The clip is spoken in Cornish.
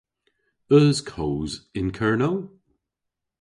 Eus koos yn Kernow?